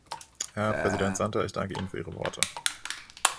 Herr Präsident Santer, ich danke Ihnen für Ihre Worte.